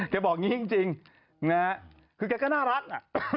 แกบอกอย่างนี้จริงคือแกก็น่ารัก